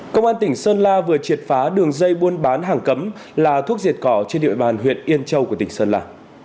công an tỉnh sơn la vừa triệt phá đường dây buôn bán hàng cấm là thuốc diệt cỏ trên địa bàn huyện yên châu của tỉnh sơn la